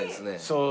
そう。